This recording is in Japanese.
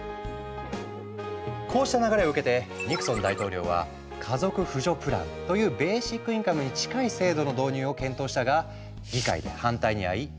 こうした流れを受けてニクソン大統領は「家族扶助プラン」というベーシックインカムに近い制度の導入を検討したが議会で反対にあい否決。